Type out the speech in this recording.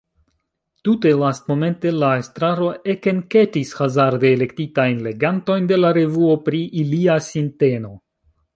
Tute lastmomente la estraro ekenketis hazarde elektitajn legantojn de la revuo pri ilia sinteno.